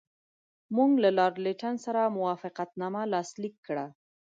موږ له لارډ لیټن سره موافقتنامه لاسلیک کړه.